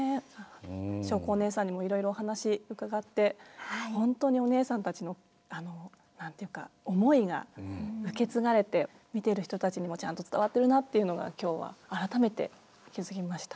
しょうこお姉さんにもいろいろお話伺ってホントにお姉さんたちの何て言うか思いが受け継がれて見ている人たちにもちゃんと伝わっているなっていうのが今日改めて気付きました。